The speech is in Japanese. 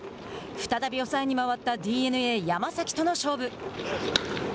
再び抑えに回ったＤｅＮＡ、山崎との勝負。